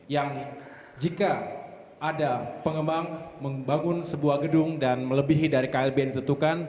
yang jika ada pengembang membangun sebuah gedung dan melebihi dari klbn tertentukan